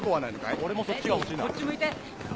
俺もそっちが欲しいな。